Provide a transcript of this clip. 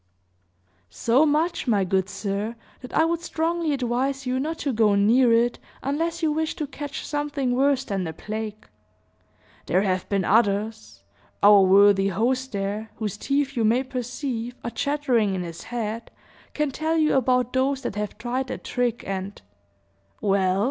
"So much, my good sir, that I would strongly advise you not to go near it, unless you wish to catch something worse than the plague. There have been others our worthy host, there, whose teeth, you may perceive, are chattering in his head, can tell you about those that have tried the trick, and " "Well?"